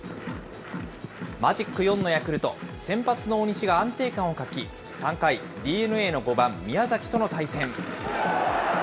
マジック４のヤクルト、先発の大西が安定感を欠き、３回、ＤｅＮＡの５番宮崎との対戦。